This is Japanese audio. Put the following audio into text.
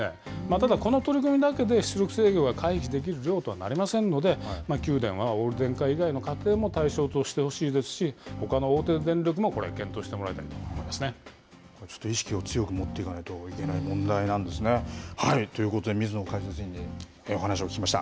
ただ、この取り組みだけで出力制御が解除できる量とはなりませんので、九電はオール電化以外の家庭も対象としてほしいですし、ほかの大手電力もこれ、検討してもちょっと意識を強く持っていかないといけない問題なんですね。ということで、水野解説委員にお話を聞きました。